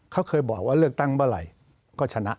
เขาเคยบอกว่าเลือกตั้งเมื่อไหร่ก็ชนะ